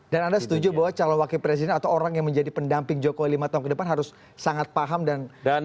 anda setuju bahwa calon wakil presiden atau orang yang menjadi pendamping jokowi lima tahun ke depan harus sangat paham dan